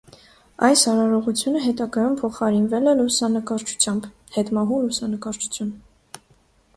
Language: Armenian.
Այս արարողությունը հետագայում փոխարինվել է լուսանկարչությամբ (հետմահու լուսանկարչություն)։